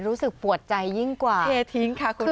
รู้สึกปวดใจยิ่งกว่าเททิ้งค่ะคุณ